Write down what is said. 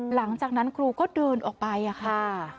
หลังจากนั้นครูก็เดินออกไปค่ะ